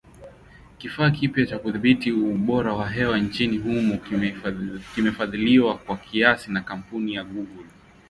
Kifaa kipya cha kudhibiti ubora wa hewa nchini humo kimefadhiliwa kwa kiasi na kampuni ya Google